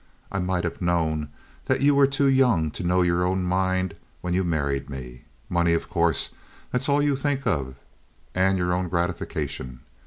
"I might have known that you were too young to know your own mind when you married me. Money, of course, that's all you think of and your own gratification.